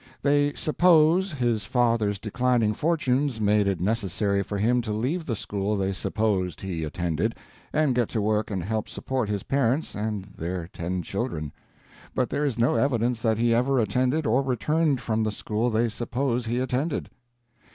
They "suppose" his father's declining fortunes made it necessary for him to leave the school they supposed he attended, and get to work and help support his parents and their ten children. But there is no evidence that he ever entered or returned from the school they suppose he attended.